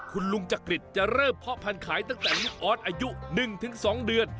คุณลุงจักริตจะเริ่มเพาะพันธุ์ขายตั้งแต่ลูกออสอายุ๑๒เดือน